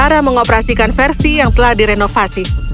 tuan tasso mengoperasikan versi yang telah direnovasi